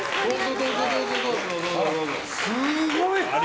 すごい。